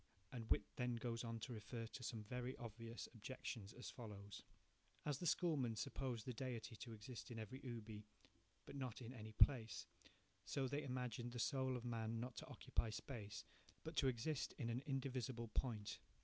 "2 And Whytt then goes on to refer to some very obvious objections as follows:– "As the schoolmen supposed the Deity to exist in every ubi, but not in any place, so they imagined the soul of man not to occupy space, but to exist in an indivisible point.